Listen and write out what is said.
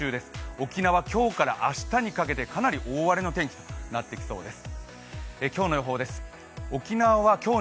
沖縄今日から明日にかけてかなり大荒れの天気となってきそうです。